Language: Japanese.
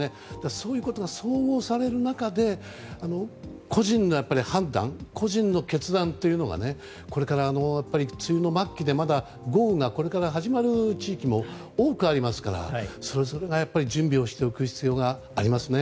そういうことが総合される中で個人の判断、決断というのがこれから梅雨の末期でまだ豪雨がこれから始まる地域も多くありますからそれぞれが準備をしておく必要がありますね。